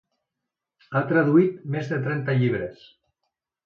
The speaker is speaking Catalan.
Ha traduït més de trenta llibres.